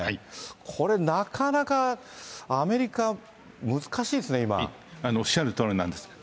これ、なかなかアメリカ、難しいですね、おっしゃるとおりなんです。